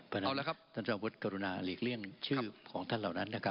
เพราะฉะนั้นท่านเจ้าวุฒิกรุณาหลีกเลี่ยงชื่อของท่านเหล่านั้นนะครับ